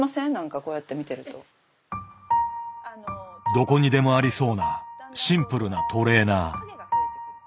どこにでもありそうなシンプルなトレーナー。